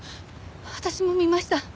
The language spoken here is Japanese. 私も見ました。